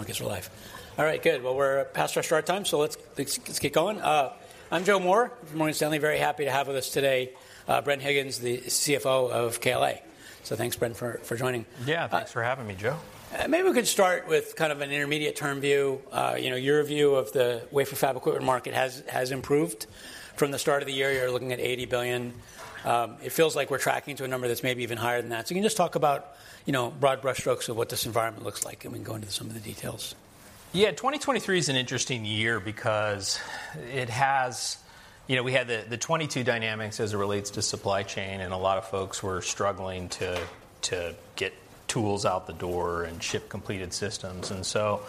Are we on? I guess we're live. All right, good. Well, we're past our start time, so let's, let's, let's get going. I'm Joe Moore, from Morgan Stanley. Very happy to have with us today, Bren Higgins, the CFO of KLA. So thanks, Bren, for, for joining. Yeah, thanks for having me, Joe. Maybe we could start with kind of an intermediate-term view. You know, your view of the wafer fab equipment market has, has improved. From the start of the year, you're looking at $80 billion. It feels like we're tracking to a number that's maybe even higher than that. So can you just talk about, you know, broad brushstrokes of what this environment looks like, and we can go into some of the details? Yeah. 2023 is an interesting year because it has, you know, we had the 2022 dynamics as it relates to supply chain, and a lot of folks were struggling to get tools out the door and ship completed systems. And so,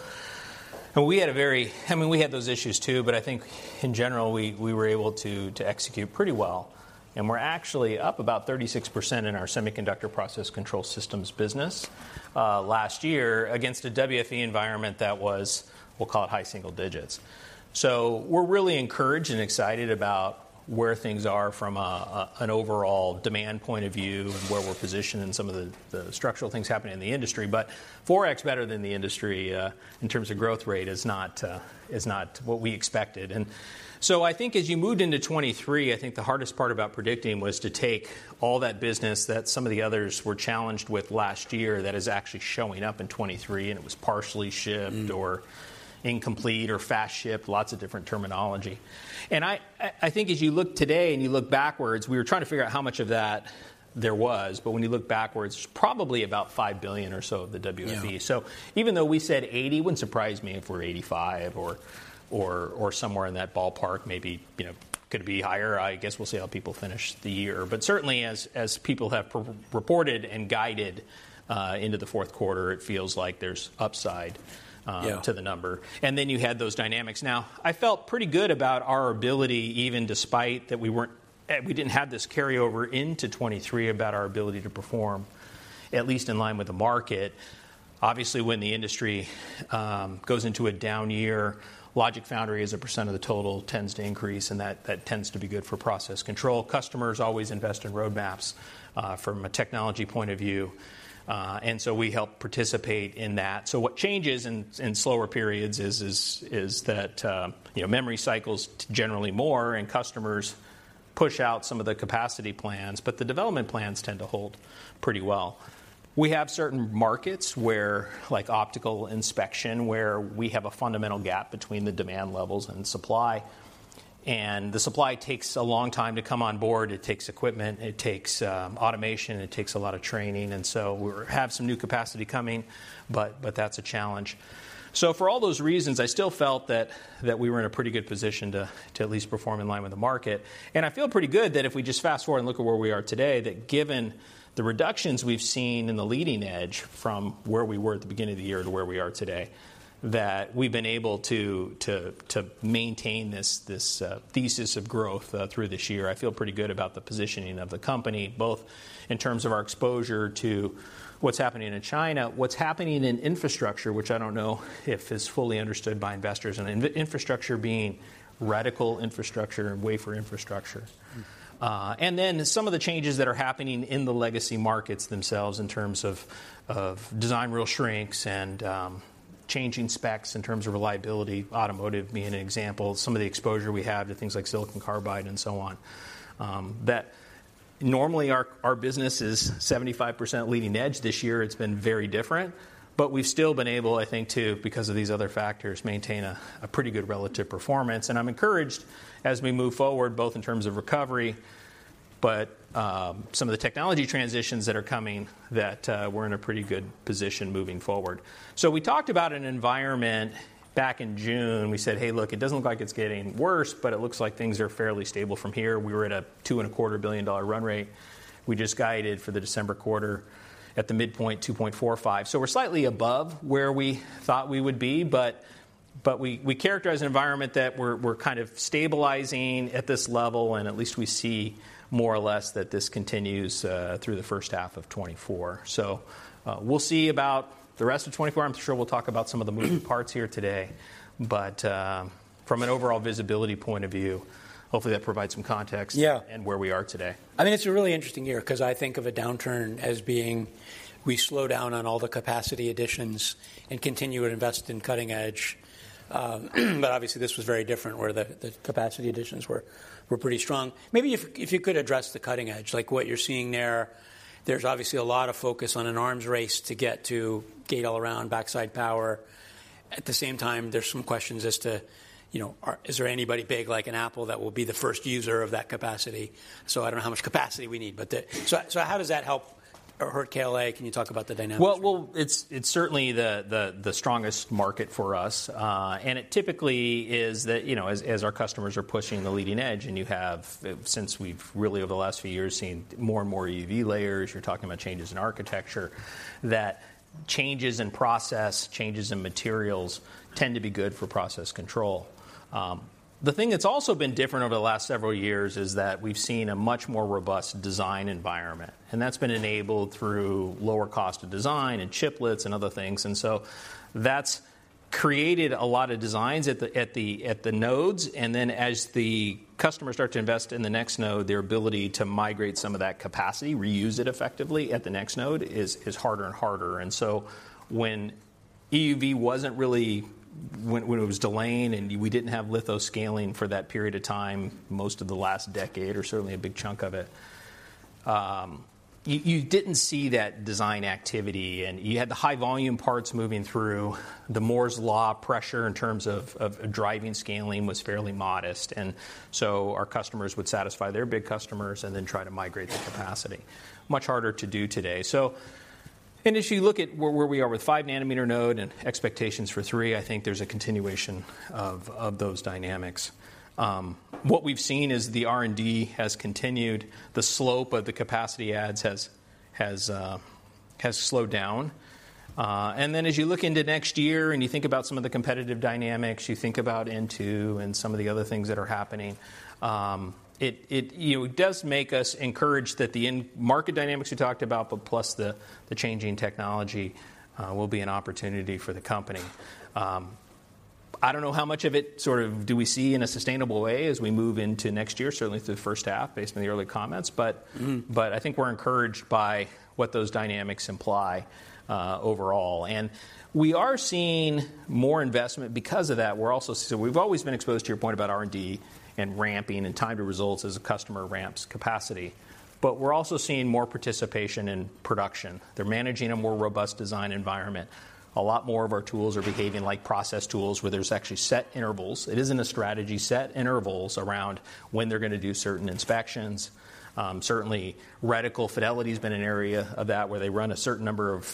and we had a very, I mean, we had those issues, too, but I think in general, we were able to execute pretty well. And we're actually up about 36% in our semiconductor process control systems business last year against a WFE environment that was, we'll call it, high single digits. So we're really encouraged and excited about where things are from a, an overall demand point of view and where we're positioned in some of the structural things happening in the industry. But 4x better than the industry in terms of growth rate is not what we expected. And so I think as you moved into 2023, I think the hardest part about predicting was to take all that business that some of the others were challenged with last year that is actually showing up in 2023, and it was partially shipped- Mm. -or incomplete or fast shipped, lots of different terminology. I think as you look today and you look backwards, we were trying to figure out how much of that there was, but when you look backwards, probably about $5 billion or so of the WFE. Yeah. So even though we said 80, it wouldn't surprise me if we're 85 or somewhere in that ballpark, maybe, you know, could be higher. I guess we'll see how people finish the year. But certainly, as people have re-reported and guided into the Q4, it feels like there's upside. Yeah... To the number. And then you had those dynamics. Now, I felt pretty good about our ability, even despite that we weren't, we didn't have this carryover into 2023, about our ability to perform, at least in line with the market. Obviously, when the industry goes into a down year, logic foundry, as a percent of the total, tends to increase, and that tends to be good for process control. Customers always invest in roadmaps from a technology point of view, and so we help participate in that. So what changes in slower periods is that, you know, memory cycles generally more, and customers push out some of the capacity plans, but the development plans tend to hold pretty well. We have certain markets where, like optical inspection, where we have a fundamental gap between the demand levels and supply, and the supply takes a long time to come on board. It takes equipment, it takes automation, it takes a lot of training, and so we have some new capacity coming, but that's a challenge. So for all those reasons, I still felt that we were in a pretty good position to at least perform in line with the market. I feel pretty good that if we just fast forward and look at where we are today, that given the reductions we've seen in the leading edge from where we were at the beginning of the year to where we are today, that we've been able to maintain this thesis of growth through this year. I feel pretty good about the positioning of the company, both in terms of our exposure to what's happening in China, what's happening in infrastructure, which I don't know if it's fully understood by investors, and infrastructure being radical infrastructure and wafer infrastructure. And then some of the changes that are happening in the legacy markets themselves in terms of, of design rule shrinks and changing specs in terms of reliability, automotive being an example, some of the exposure we have to things like silicon carbide and so on. That normally our, our business is 75% leading edge. This year, it's been very different, but we've still been able, I think, to, because of these other factors, maintain a, a pretty good relative performance. I'm encouraged as we move forward, both in terms of recovery, but some of the technology transitions that are coming that we're in a pretty good position moving forward. So we talked about an environment back in June. We said, "Hey, look, it doesn't look like it's getting worse, but it looks like things are fairly stable from here." We were at a $2.25 billion run rate. We just guided for the December quarter at the midpoint, $2.45. So we're slightly above where we thought we would be, but we characterize an environment that we're kind of stabilizing at this level, and at least we see more or less that this continues through the H1 of 2024. So we'll see about the rest of 2024. I'm sure we'll talk about some of the moving parts here today, but, from an overall visibility point of view, hopefully, that provides some context. Yeah. and where we are today. I think it's a really interesting year because I think of a downturn as being, we slow down on all the capacity additions and continue to invest in cutting-edge. But obviously, this was very different where the capacity additions were pretty strong. Maybe if you could address the cutting edge, like what you're seeing there, there's obviously a lot of focus on an arms race to get to gate all around, backside power. At the same time, there's some questions as to, you know, is there anybody big, like an Apple, that will be the first user of that capacity? So I don't know how much capacity we need, but so how does that help or hurt KLA? Can you talk about the dynamics? Well, it's certainly the strongest market for us, and it typically is that, you know, as our customers are pushing the leading edge, and you have, since we've really, over the last few years, seen more and more EUV layers, you're talking about changes in architecture, that changes in process, changes in materials tend to be good for process control. The thing that's also been different over the last several years is that we've seen a much more robust design environment, and that's been enabled through lower cost of design and chiplets and other things. And so that's created a lot of designs at the nodes, and then as the customers start to invest in the next node, their ability to migrate some of that capacity, reuse it effectively at the next node, is harder and harder. And so when EUV wasn't really when it was delaying, and we didn't have litho scaling for that period of time, most of the last decade, or certainly a big chunk of it, you didn't see that design activity, and you had the high volume parts moving through. The Moore's Law pressure in terms of driving scaling was fairly modest, and so our customers would satisfy their big customers and then try to migrate the capacity. Much harder to do today. So and as you look at where we are with 5nm node and expectations for three, I think there's a continuation of those dynamics. What we've seen is the R&D has continued. The slope of the capacity adds has slowed down. And then as you look into next year, and you think about some of the competitive dynamics, you think about NVIDIA and some of the other things that are happening, you know, it does make us encouraged that the end market dynamics you talked about, but plus the changing technology, will be an opportunity for the company. I don't know how much of it sort of do we see in a sustainable way as we move into next year, certainly through the H1, based on the early comments. But- Mm-hmm. But I think we're encouraged by what those dynamics imply, overall. And we are seeing more investment. Because of that, we're also, so we've always been exposed to your point about R&D and ramping and time to results as a customer ramps capacity, but we're also seeing more participation in production. They're managing a more robust design environment. A lot more of our tools are behaving like process tools, where there's actually set intervals. It isn't a strategy, set intervals around when they're going to do certain inspections. Certainly, reticle fidelity's been an area of that, where they run a certain number of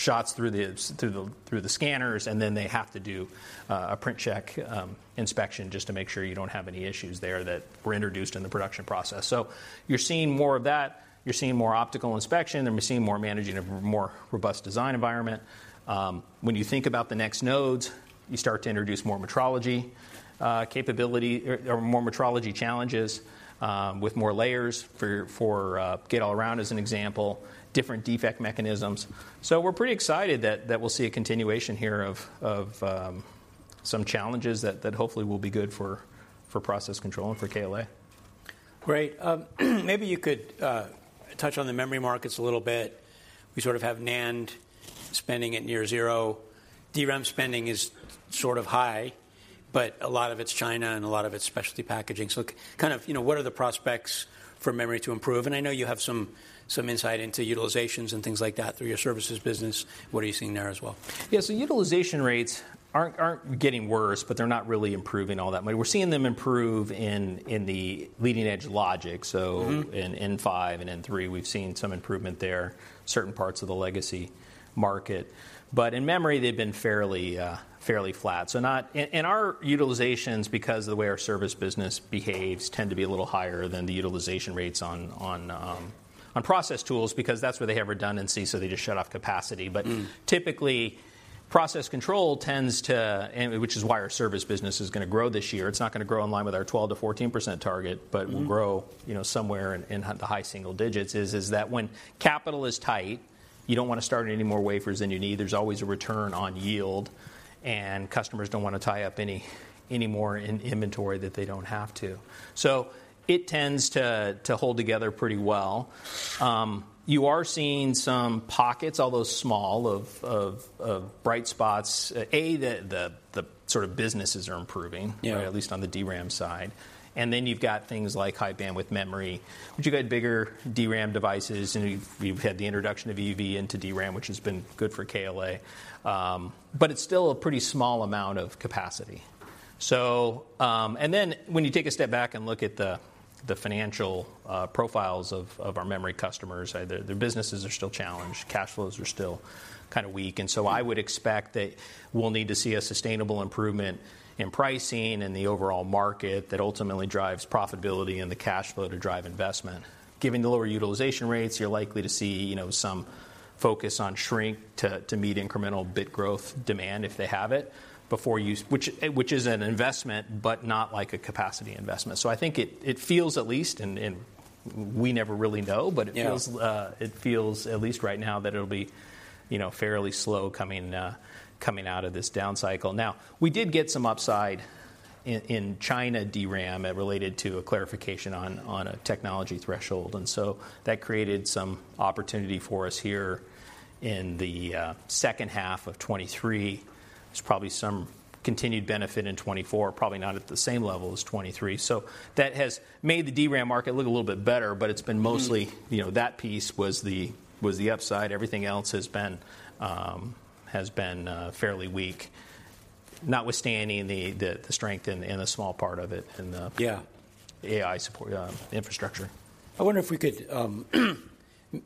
shots through the scanners, and then they have to do a print check inspection just to make sure you don't have any issues there that were introduced in the production process. So you're seeing more of that. You're seeing more optical inspection, and we're seeing more managing of a more robust design environment. When you think about the next nodes, you start to introduce more metrology capability or more metrology challenges with more layers for gate all around as an example, different defect mechanisms. So we're pretty excited that we'll see a continuation here of some challenges that hopefully will be good for process control and for KLA. Great. Maybe you could touch on the memory markets a little bit. We sort of have NAND spending at near zero. DRAM spending is sort of high, but a lot of it's China, and a lot of it's specialty packaging. So kind of, you know, what are the prospects for memory to improve? And I know you have some, some insight into utilizations and things like that through your services business. What are you seeing there as well? Yeah, so utilization rates aren't getting worse, but they're not really improving all that much. We're seeing them improve in the leading-edge logic. Mm-hmm. So in N5 and N3, we've seen some improvement there, certain parts of the legacy market. But in memory, they've been fairly, fairly flat. So not and, and our utilizations, because of the way our service business behaves, tend to be a little higher than the utilization rates on process tools, because that's where they have redundancy, so they just shut off capacity. Mm. Typically, process control tends to... which is why our service business is going to grow this year. It's not going to grow in line with our 12%-14% target- Mm-hmm. But will grow, you know, somewhere in the high single digits. Is that when capital is tight, you don't want to start any more wafers than you need. There's always a return on yield, and customers don't want to tie up any more in inventory that they don't have to. So it tends to hold together pretty well. You are seeing some pockets, although small, of bright spots. The sort of businesses are improving- Yeah... At least on the DRAM side. Then you've got things like high-bandwidth memory, which you got bigger DRAM devices, and you've, we've had the introduction of EUV into DRAM, which has been good for KLA. But it's still a pretty small amount of capacity. And then when you take a step back and look at the financial profiles of our memory customers, their businesses are still challenged, cash flows are still kind of weak. Mm. And so I would expect that we'll need to see a sustainable improvement in pricing and the overall market that ultimately drives profitability and the cash flow to drive investment. Given the lower utilization rates, you're likely to see, you know, some focus on shrink to meet incremental bit growth demand, if they have it, before you-- which is an investment, but not like a capacity investment. So I think it feels at least, and we never really know- Yeah... But it feels, at least right now, that it'll be, you know, fairly slow coming out of this down cycle. Now, we did get some upside in China DRAM that related to a clarification on a technology threshold, and so that created some opportunity for us here in the H2 of 2023. There's probably some continued benefit in 2024, probably not at the same level as 2023. So that has made the DRAM market look a little bit better, but it's been mostly- Mm. -you know, that piece was the upside. Everything else has been fairly weak, notwithstanding the strength in a small part of it, in the- Yeah... AI support, infrastructure. I wonder if we could,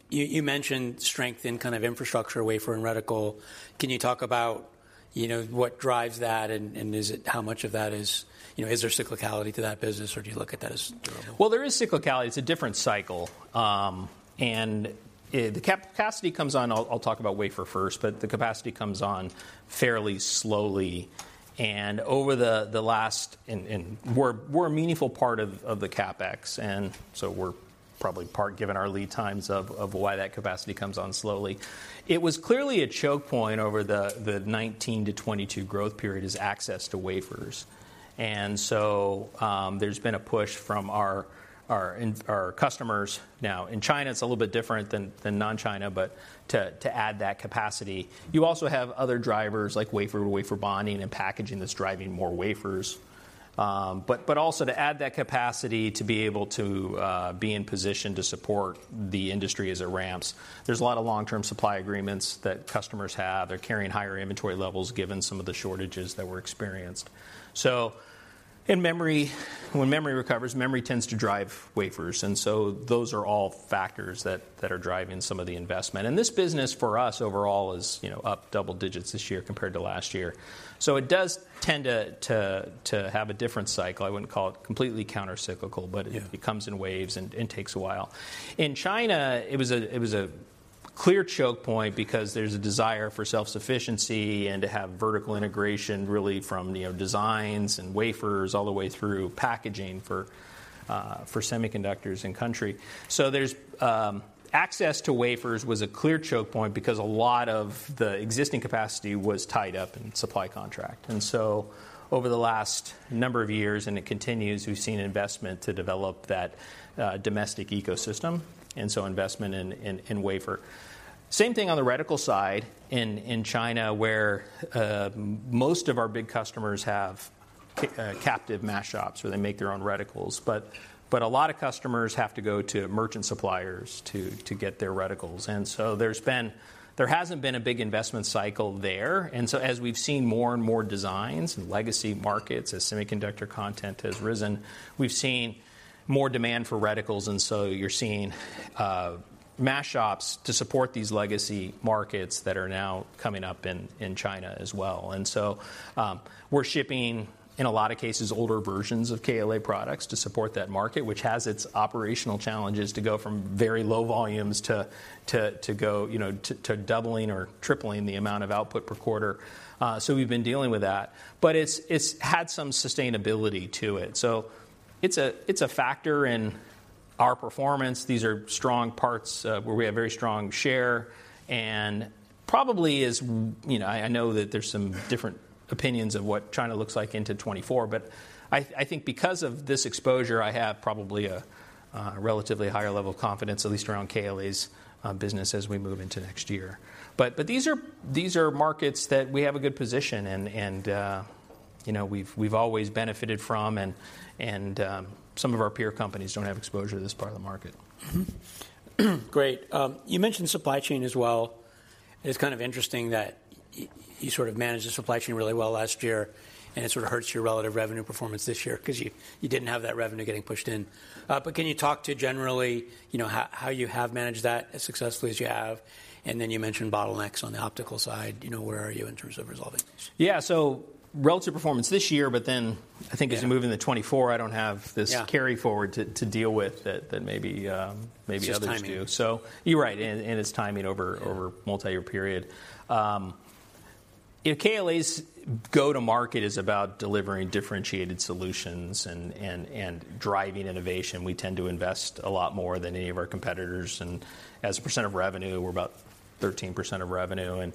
you mentioned strength in kind of infrastructure, wafer and reticle. Can you talk about, you know, what drives that, and is it—how much of that is... You know, is there cyclicality to that business, or do you look at that as durable? Well, there is cyclicality. It's a different cycle. And the capacity comes on. I'll talk about wafer first, but the capacity comes on fairly slowly... And over the last, and we're a meaningful part of the CapEx, and so we're probably part, given our lead times, of why that capacity comes on slowly. It was clearly a choke point over the 2019-2022 growth period: access to wafers. And so, there's been a push from our customers. Now, in China, it's a little bit different than non-China, but to add that capacity. You also have other drivers like wafer-to-wafer bonding and packaging that's driving more wafers. But also to add that capacity to be able to be in position to support the industry as it ramps. There's a lot of long-term supply agreements that customers have. They're carrying higher inventory levels, given some of the shortages that were experienced. So in memory, when memory recovers, memory tends to drive wafers, and so those are all factors that are driving some of the investment. And this business, for us, overall, is, you know, up double digits this year compared to last year. So it does tend to have a different cycle. I wouldn't call it completely countercyclical- Yeah. But it comes in waves and takes a while. In China, it was a clear choke point because there's a desire for self-sufficiency and to have vertical integration really from, you know, designs and wafers all the way through packaging for semiconductors in country. So there's access to wafers was a clear choke point because a lot of the existing capacity was tied up in supply contract. And so over the last number of years, and it continues, we've seen investment to develop that domestic ecosystem, and so investment in wafer. Same thing on the reticle side in China, where most of our big customers have captive mask shops where they make their own reticles. But a lot of customers have to go to merchant suppliers to get their reticles, and so there hasn't been a big investment cycle there. And so as we've seen more and more designs in legacy markets, as semiconductor content has risen, we've seen more demand for reticles, and so you're seeing mask shops to support these legacy markets that are now coming up in China as well. And so we're shipping, in a lot of cases, older versions of KLA products to support that market, which has its operational challenges to go from very low volumes to, you know, doubling or tripling the amount of output per quarter. So we've been dealing with that, but it's had some sustainability to it. So it's a factor in our performance. These are strong parts, where we have very strong share and probably is, you know... I, I know that there's some different opinions of what China looks like into 2024, but I, I think because of this exposure, I have probably a, a relatively higher level of confidence, at least around KLA's, business as we move into next year. But, but these are, these are markets that we have a good position and, and, you know, we've, we've always benefited from, and, and, some of our peer companies don't have exposure to this part of the market. Great. You mentioned supply chain as well. It's kind of interesting that you sort of managed the supply chain really well last year, and it sort of hurts your relative revenue performance this year because you didn't have that revenue getting pushed in. But can you talk to generally, you know, how you have managed that as successfully as you have? And then you mentioned bottlenecks on the optical side, you know, where are you in terms of resolving these? Yeah. So relative performance this year, but then- Yeah... I think as we move into 2024, I don't have this- Yeah carry forward to deal with that, maybe others do. It's just timing. So you're right, and, and it's timing over- Yeah... over a multi-year period. You know, KLA's go-to-market is about delivering differentiated solutions and driving innovation. We tend to invest a lot more than any of our competitors, and as a percent of revenue, we're about 13% of revenue.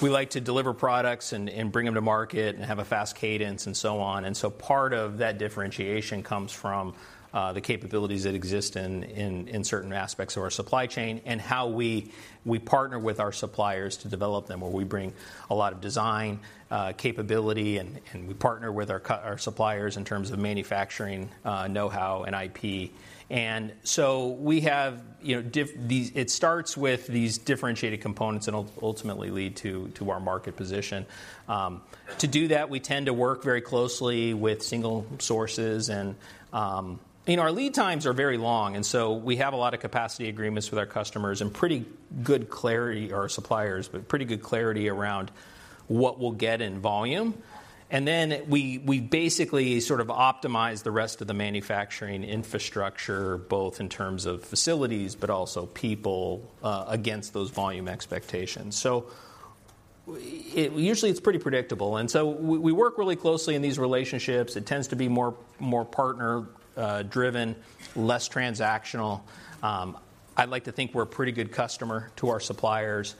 We like to deliver products and bring them to market and have a fast cadence and so on. So part of that differentiation comes from the capabilities that exist in certain aspects of our supply chain and how we partner with our suppliers to develop them, where we bring a lot of design capability, and we partner with our suppliers in terms of manufacturing know-how and IP. So we have, you know, these. It starts with these differentiated components and ultimately lead to our market position. To do that, we tend to work very closely with single sources, and, you know, our lead times are very long, and so we have a lot of capacity agreements with our customers and pretty good clarity, our suppliers, but pretty good clarity around what we'll get in volume. And then we, we basically sort of optimize the rest of the manufacturing infrastructure, both in terms of facilities, but also people, against those volume expectations. So usually, it's pretty predictable, and so we, we work really closely in these relationships. It tends to be more partner driven, less transactional. I'd like to think we're a pretty good customer to our suppliers,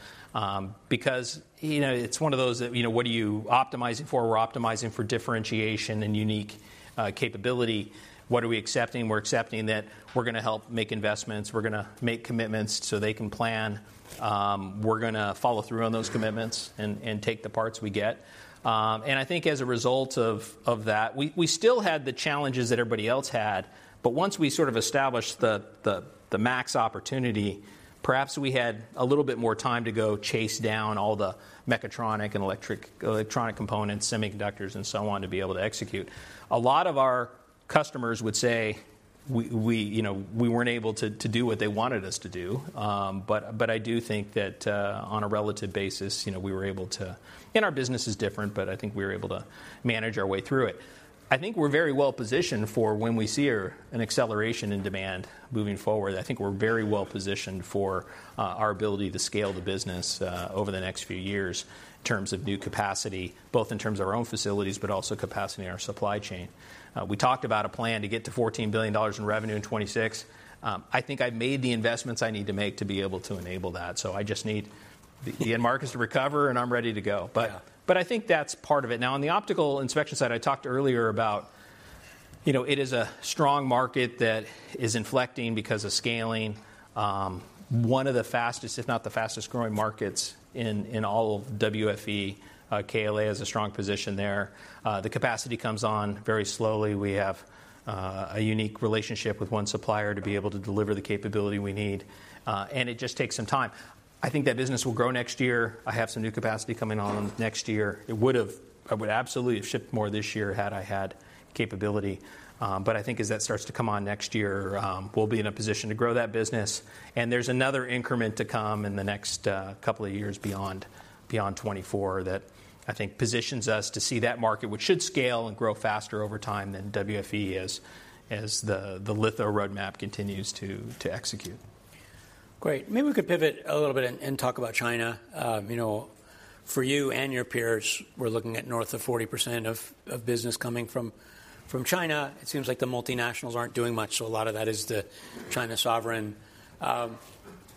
because, you know, it's one of those that, you know, what are you optimizing for? We're optimizing for differentiation and unique capability. What are we accepting? We're accepting that we're going to help make investments. We're going to make commitments so they can plan. We're going to follow through on those commitments and take the parts we get. And I think as a result of that, we still had the challenges that everybody else had, but once we sort of established the max opportunity, perhaps we had a little bit more time to go chase down all the mechatronic and electric, electronic components, semiconductors, and so on, to be able to execute. A lot of our customers would say you know, we weren't able to do what they wanted us to do. But I do think that, on a relative basis, you know, we were able to—and our business is different, but I think we were able to manage our way through it. I think we're very well positioned for when we see an acceleration in demand moving forward. I think we're very well positioned for our ability to scale the business over the next few years in terms of new capacity, both in terms of our own facilities, but also capacity in our supply chain. We talked about a plan to get to $14 billion in revenue in 2026. I think I've made the investments I need to make to be able to enable that. So I just need the end markets to recover, and I'm ready to go. Yeah. I think that's part of it. Now, on the optical inspection side, I talked earlier about, you know, it is a strong market that is inflecting because of scaling. One of the fastest, if not the fastest-growing markets in all of WFE, KLA has a strong position there. The capacity comes on very slowly. We have a unique relationship with one supplier to be able to deliver the capability we need, and it just takes some time. I think that business will grow next year. I have some new capacity coming on next year. It would have. I would absolutely have shipped more this year had I had capability. But I think as that starts to come on next year, we'll be in a position to grow that business. There's another increment to come in the next couple of years beyond 2024, that I think positions us to see that market, which should scale and grow faster over time than WFE as the litho roadmap continues to execute. Great. Maybe we could pivot a little bit and talk about China. You know, for you and your peers, we're looking at north of 40% of business coming from China. It seems like the multinationals aren't doing much, so a lot of that is the China sovereign.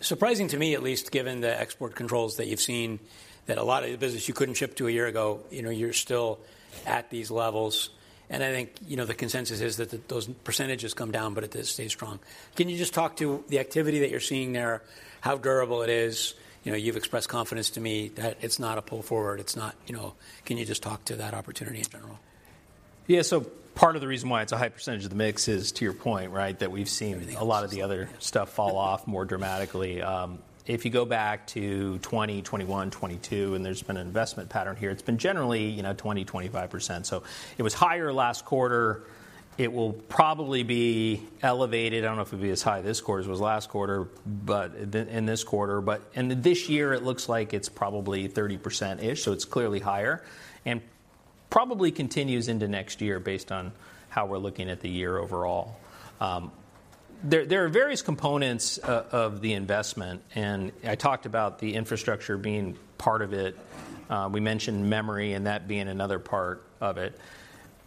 Surprising to me, at least, given the export controls that you've seen, that a lot of your business you couldn't ship to a year ago, you know, you're still at these levels. And I think, you know, the consensus is that the those percentages come down, but it does stay strong. Can you just talk to the activity that you're seeing there? How durable it is? You know, you've expressed confidence to me that it's not a pull forward, it's not, you know... Can you just talk to that opportunity in general? Yeah. So part of the reason why it's a high percentage of the mix is, to your point, right, that we've seen a lot of the other stuff fall off more dramatically. If you go back to 2021, 2022, and there's been an investment pattern here, it's been generally, you know, 20-25%. So it was higher last quarter. It will probably be elevated. I don't know if it'll be as high this quarter as it was last quarter, but in this quarter. And this year, it looks like it's probably 30%-ish, so it's clearly higher and probably continues into next year based on how we're looking at the year overall. There are various components of the investment, and I talked about the infrastructure being part of it. We mentioned memory and that being another part of it.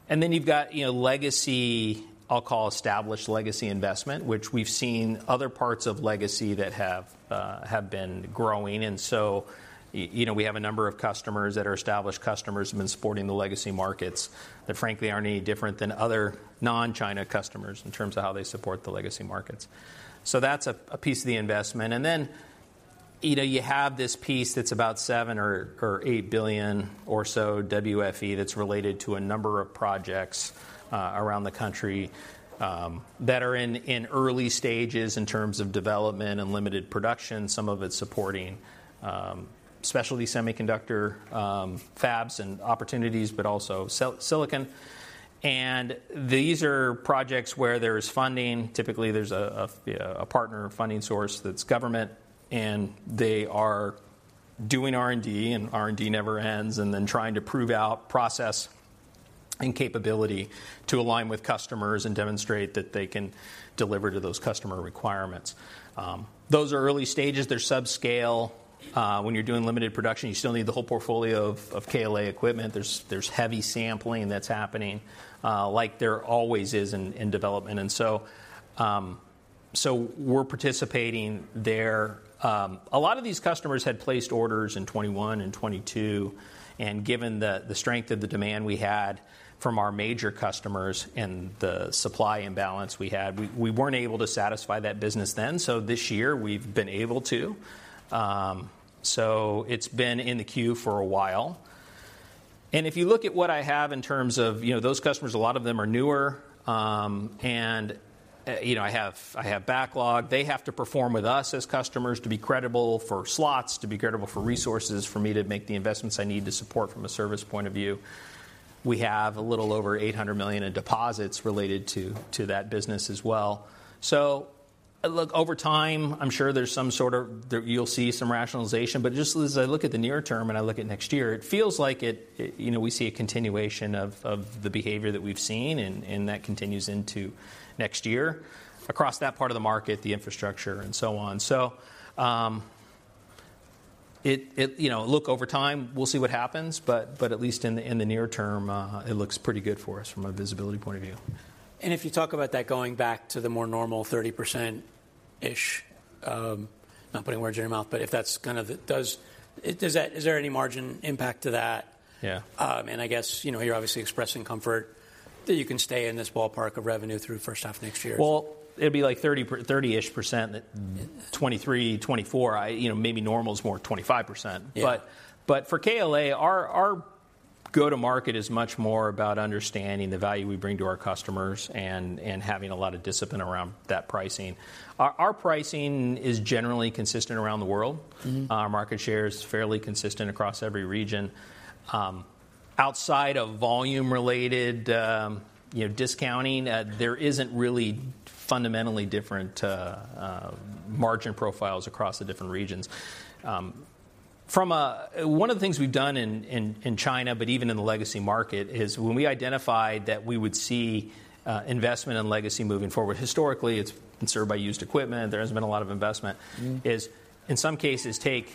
And then you've got, you know, legacy. I'll call established legacy investment, which we've seen other parts of legacy that have been growing. And so, you know, we have a number of customers that are established customers, have been supporting the legacy markets that frankly aren't any different than other non-China customers in terms of how they support the legacy markets. So that's a piece of the investment. And then, you know, you have this piece that's about $7 billion-$8 billion or so WFE, that's related to a number of projects around the country that are in early stages in terms of development and limited production. Some of it's supporting specialty semiconductor fabs and opportunities, but also silicon. And these are projects where there's funding. Typically, there's a partner funding source that's government, and they are doing R&D, and R&D never ends, and then trying to prove out process and capability to align with customers and demonstrate that they can deliver to those customer requirements. Those are early stages. They're subscale. When you're doing limited production, you still need the whole portfolio of KLA equipment. There's heavy sampling that's happening, like there always is in development. So we're participating there. A lot of these customers had placed orders in 2021 and 2022, and given the strength of the demand we had from our major customers and the supply imbalance we had, we weren't able to satisfy that business then. So this year we've been able to. So it's been in the queue for a while. And if you look at what I have in terms of, you know, those customers, a lot of them are newer. You know, I have, I have backlog. They have to perform with us as customers to be credible for slots, to be credible for resources, for me to make the investments I need to support from a service point of view. We have a little over $800 million in deposits related to, to that business as well. So look, over time, I'm sure there's some sort of, there, you'll see some rationalization, but just as I look at the near term, and I look at next year, it feels like it, you know, we see a continuation of, of the behavior that we've seen, and, and that continues into next year across that part of the market, the infrastructure, and so on. So, you know, look, over time, we'll see what happens, but at least in the near term, it looks pretty good for us from a visibility point of view. If you talk about that going back to the more normal 30%-ish, not putting words in your mouth, but if that's kind of the—does—is there, is there any margin impact to that? Yeah. And I guess, you know, you're obviously expressing comfort that you can stay in this ballpark of revenue through the H1 of next year. Well, it'd be like 30, 30-ish% that 2023, 2024. You know, maybe normal is more 25%. Yeah. But for KLA, our go-to-market is much more about understanding the value we bring to our customers and having a lot of discipline around that pricing. Our pricing is generally consistent around the world. Mm-hmm. Our market share is fairly consistent across every region. Outside of volume-related, you know, discounting, there isn't really fundamentally different margin profiles across the different regions. One of the things we've done in China, but even in the legacy market, is when we identified that we would see investment in legacy moving forward. Historically, it's been served by used equipment. There hasn't been a lot of investment. In some cases, take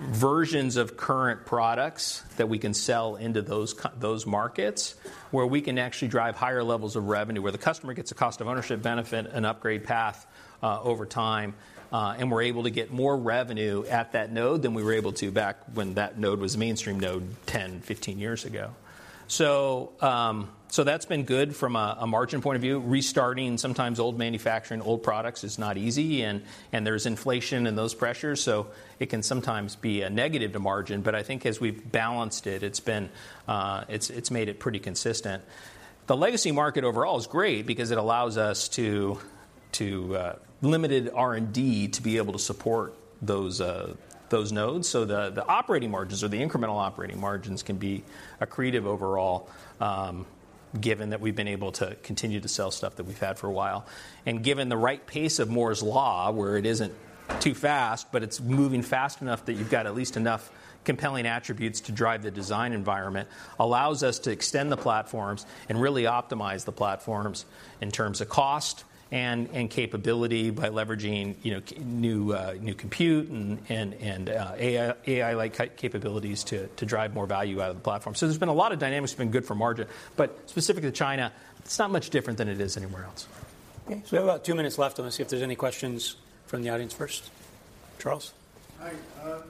versions of current products that we can sell into those markets, where we can actually drive higher levels of revenue, where the customer gets a cost of ownership benefit and upgrade path over time, and we're able to get more revenue at that node than we were able to back when that node was a mainstream node 10, 15 years ago. So, so that's been good from a margin point of view. Restarting sometimes old manufacturing, old products is not easy, and there's inflation and those pressures, so it can sometimes be a negative to margin, but I think as we've balanced it, it's been, it's made it pretty consistent. The legacy market overall is great because it allows us to limited R&D to be able to support those nodes. So the, the operating margins or the incremental operating margins can be accretive overall, given that we've been able to continue to sell stuff that we've had for a while, and given the right pace of Moore's Law, where it isn't too fast, but it's moving fast enough that you've got at least enough compelling attributes to drive the design environment, allows us to extend the platforms and really optimize the platforms in terms of cost and capability by leveraging, you know, new compute and AI, AI-like capabilities to drive more value out of the platform. So there's been a lot of dynamics that have been good for margin, but specifically China, it's not much different than it is anywhere else. Okay, so we have about two minutes left. I'm going to see if there's any questions from the audience first. Charles? Hi, if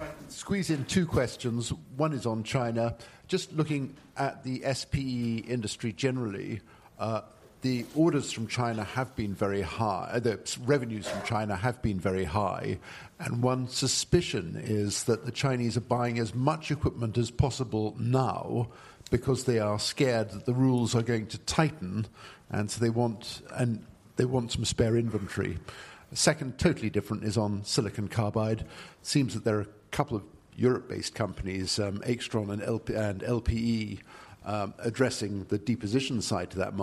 I can squeeze in two questions. One is on China. Just looking at the SPE industry generally, the orders from China have been very high, the revenues from China have been very high, and one suspicion is that the Chinese are buying as much equipment as possible now because they are scared that the rules are going to tighten, and so they want, and they want some spare inventory. The second, totally different, is on silicon carbide. It seems that there are a couple of Europe-based companies, AIXTRON and LP, and LPE, addressing the deposition side to that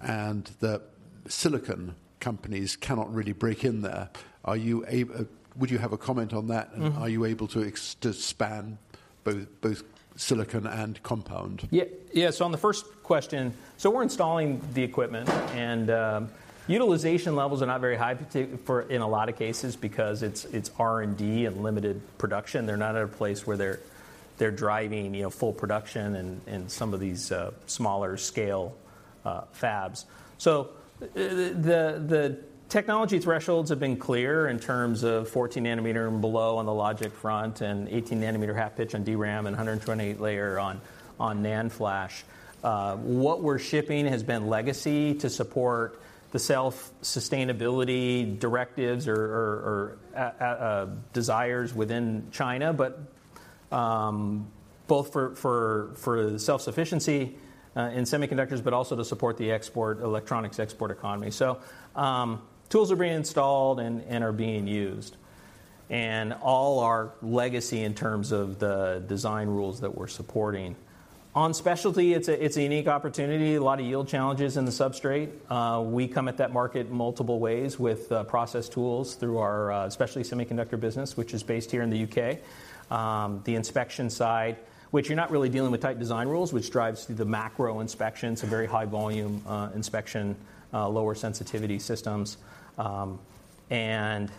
market, and the silicon companies cannot really break in there. Are you able? Would you have a comment on that? Mm-hmm. Are you able to expand to span both, both silicon and compound? Yeah. Yeah, so on the first question, so we're installing the equipment, and utilization levels are not very high, particularly for, in a lot of cases, because it's R&D and limited production. They're not at a place where they're driving, you know, full production in some of these smaller scale fabs. So the technology thresholds have been clear in terms of 14nm and below on the logic front and 18nm half pitch on DRAM and 128 layer on NAND flash. What we're shipping has been legacy to support the self-sustainability directives or desires within China, but both for self-sufficiency in semiconductors, but also to support the electronics export economy. So, tools are being installed and are being used, and all our legacy in terms of the design rules that we're supporting. On specialty, it's a unique opportunity, a lot of yield challenges in the substrate. We come at that market multiple ways with process tools through our specialty semiconductor business, which is based here in the U.K. The inspection side, which you're not really dealing with tight design rules, which drives the macro inspections, so very high volume inspection, lower sensitivity systems. And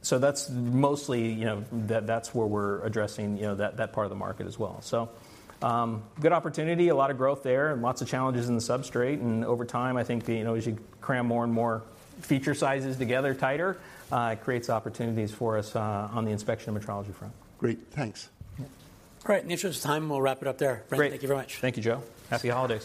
so that's mostly, you know, that's where we're addressing, you know, that part of the market as well. Good opportunity, a lot of growth there, and lots of challenges in the substrate, and over time, I think, you know, as you cram more and more feature sizes together tighter, it creates opportunities for us, on the inspection metrology front. Great, thanks. Yeah. Great. In the interest of time, we'll wrap it up there. Great. Thank you very much. Thank you, Joe. Happy holidays.